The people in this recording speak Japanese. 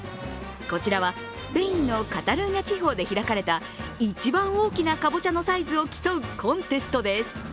こちらはスペインのカタルーニャ地方で開かれた一番大きなかぼちゃのサイズを競うコンテストです。